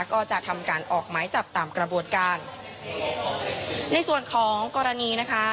ก็จะทำการออกหมายจับตามกระบวนการในส่วนของกรณีนะคะ